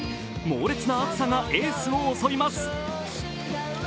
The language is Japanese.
猛烈な暑さがエースを襲います。